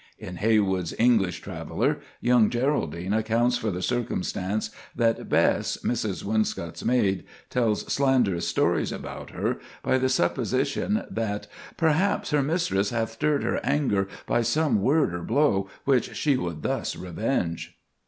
In Heywood's "English Traveller," young Geraldine accounts for the circumstance that Bess, Mrs. Winscott's maid, tells slanderous stories about her, by the supposition that— "Perhaps her mistress Hath stirred her anger by some word or blow, Which she would thus revenge."